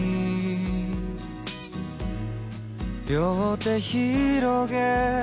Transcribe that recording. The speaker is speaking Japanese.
「両手ひろげ